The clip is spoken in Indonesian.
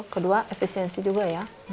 kedua efisiensi juga